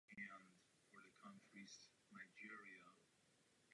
Děti tato univerzální práva potřebují více než dospělí.